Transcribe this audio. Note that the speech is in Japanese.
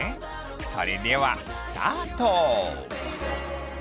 それではスタート！